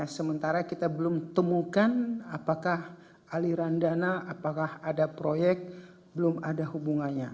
sementara kita belum temukan apakah aliran dana apakah ada proyek belum ada hubungannya